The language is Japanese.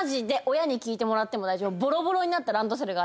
親に聞いてもらっても大丈夫。